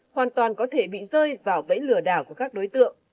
hoàn toàn có thể bị rơi vào bẫy lừa đảo của các đối tượng